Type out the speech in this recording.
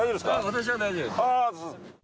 私は大丈夫。